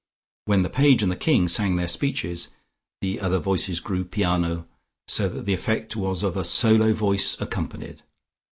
When the Page and the King sang their speeches, the other voices grew piano, so that the effect was of a solo voice accompanied.